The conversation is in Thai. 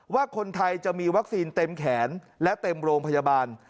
ว่าคนไทยจะมีวัคซีนเต็มแขนและเต็มโรงพยาบาล